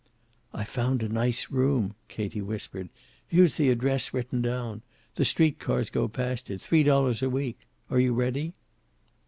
"I've found a nice room," Katie whispered. "Here's the address written down. The street cars go past it. Three dollars a week. Are you ready?"